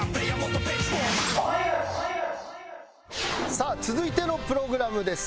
さあ続いてのプログラムです。